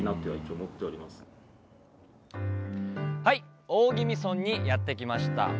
はい大宜味村にやって来ました！